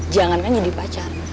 jangankan jadi pacar